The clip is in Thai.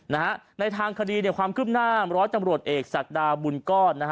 ในทางคดีความคลึกหน้าร้อยตำรวจเอกสักดาบุญกล่อน